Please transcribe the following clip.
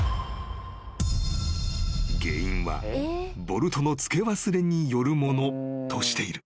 ［原因はボルトのつけ忘れによるものとしている］